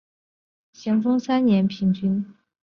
咸丰三年助总督叶名琛雇觅火轮攻剿太平军。